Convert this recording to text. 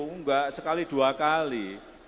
enggak sekali dua kali